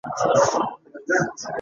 مایع د فشار په هر لوري کې یو شان وېشي.